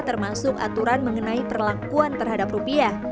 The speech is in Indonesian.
termasuk aturan mengenai perlakuan terhadap rupiah